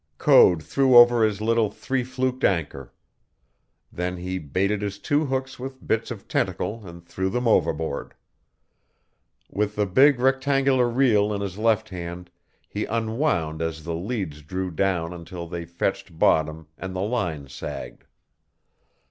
Code threw over his little three fluked anchor. Then he baited his two hooks with bits of tentacle and threw them overboard. With the big rectangular reel in his left hand, he unwound as the leads drew down until they fetched bottom and the line sagged.